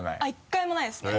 １回もないですね。